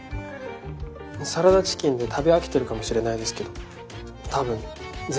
サラダチキンで食べ飽きてるかもしれないですけど多分全然違うと思うんで。